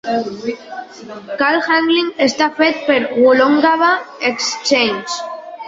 Call Handling està fet pel Woolloongabba Exchange.